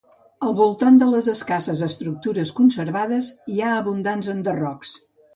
Al voltant de les escasses estructures conservades hi ha abundants enderrocs.